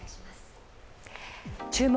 「注目！